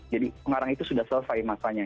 jadi pengarang itu sudah selesai masanya